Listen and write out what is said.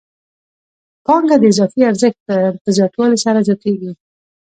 پانګه د اضافي ارزښت په زیاتوالي سره زیاتېږي